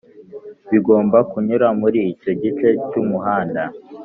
bigomba kunyura muri icyo gice cy'umuhanda